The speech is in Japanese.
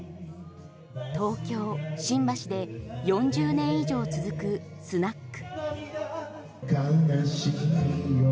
東京・新橋で４０年以上続くスナック。